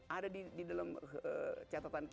ada di dalam catatan kita